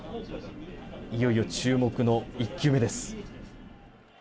いよいよ注目の１球目です。